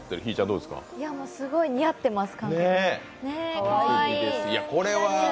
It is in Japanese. すごい似合ってます。